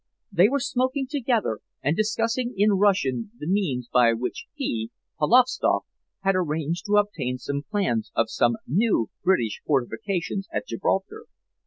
They were smoking together, and were discussing in Russian the means by which he, Polovstoff, had arranged to obtain plans of some new British fortifications at Gibraltar.